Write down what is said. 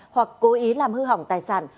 hoặc cố ý làm hư hỏng tài sản